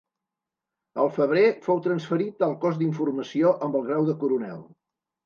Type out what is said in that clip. El febrer fou transferit al cos d'informació amb el grau de Coronel.